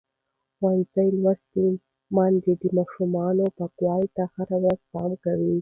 ښوونځې لوستې میندې د ماشومانو پاکوالي ته هره ورځ پام کوي.